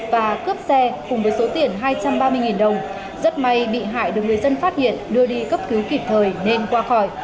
và cướp xe cùng với số tiền hai trăm ba mươi đồng rất may bị hại được người dân phát hiện đưa đi cấp cứu kịp thời nên qua khỏi